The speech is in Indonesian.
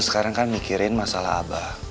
sekarang kan mikirin masalah abah